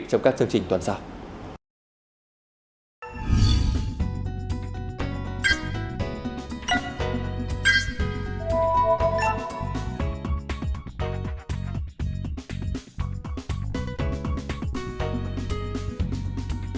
trong các chương trình tuần sau